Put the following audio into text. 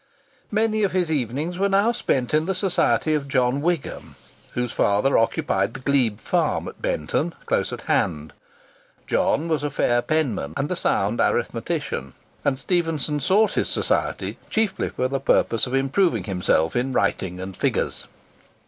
Many of his evenings were now spent in the society of John Wigham, whose father occupied the Glebe Farm at Benton, close at hand. John was a fair penman and a sound arithmetician, and Stephenson sought his society chiefly for the purpose of improving himself in writing and "figures."